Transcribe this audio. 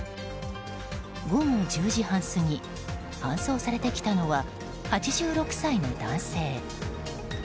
午後１０時半過ぎ搬送されてきたのは８６歳の男性。